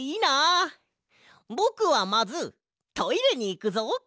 ぼくはまずトイレにいくぞ！